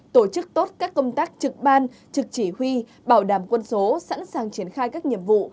tổ chức tốt các công tác trực ban trực chỉ huy bảo đảm quân số sẵn sàng triển khai các nhiệm vụ